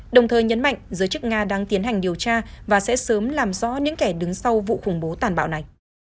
đồng thời nhấn mạnh giới chức nga đang tiến hành điều tra và sẽ sớm làm rõ những kẻ đứng sau vụ khủng bố tàn bạo này